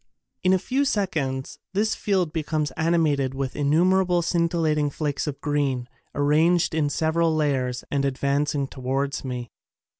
In a few seconds this field becomes ani mated with innumerable scintillating flakes of green, arranged in several layers and advancing towards me.